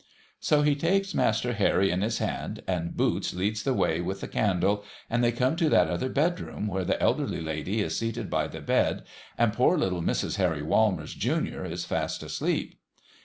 So he takes Master Harry in his hand, and Boots leads the way with the candle, and they come to that other bedroom, where the elderly lady is seated by the bed, and poor little Mrs. Harry Walmers, Junior, is fast asleep.